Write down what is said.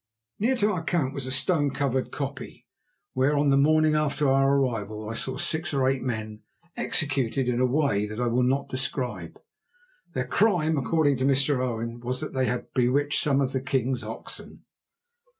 Near to our camp was a stone covered koppie, where, on the morning after our arrival, I saw six or eight men executed in a way that I will not describe. Their crime, according to Mr. Owen, was that they had bewitched some of the king's oxen.